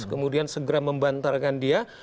kemudian segera membantarkan dia